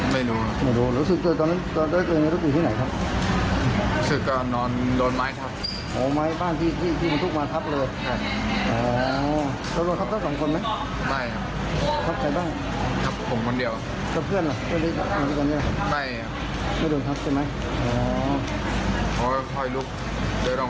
เมื่อต้นจำรวดก็ลงมาถึงประจำวัน